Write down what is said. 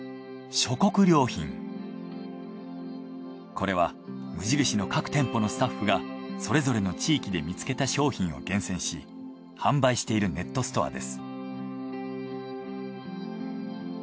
これは無印の各店舗のスタッフがそれぞれの地域で見つけた商品を厳選し販売しているネットストアです。